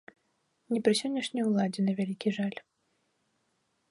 Не пры сённяшняй уладзе, на вялікі жаль.